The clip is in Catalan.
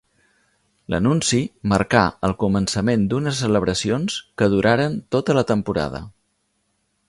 L'anunci marcà el començament d'unes celebracions que duraren tota la temporada.